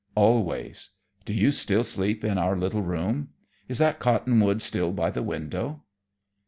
"Always. Do you still sleep in our little room? Is that cottonwood still by the window?"